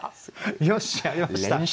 よっしゃやりました。